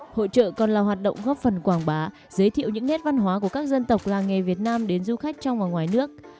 hội trợ còn là hoạt động góp phần quảng bá giới thiệu những nét văn hóa của các dân tộc làng nghề việt nam đến du khách trong và ngoài nước